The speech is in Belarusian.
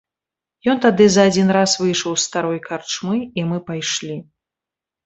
Ён тады за адзін раз выйшаў з старой карчмы, і мы пайшлі.